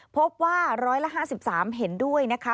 พบว่า๑๕๓เห็นด้วยนะคะ